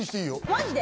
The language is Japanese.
マジで？